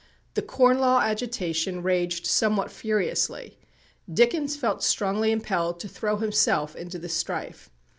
The Corn Law agitation raged somewhat furiously. Dickens felt strongly impelled to throw himself into the strife.